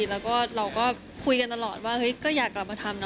แล้วก็เราก็คุยกันตลอดว่าเฮ้ยก็อยากกลับมาทำนะ